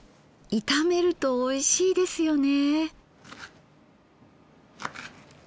炒めるとおいしいですよね。